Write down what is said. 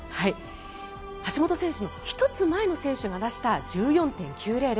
橋本選手の１つ前の選手が出した１４．９００。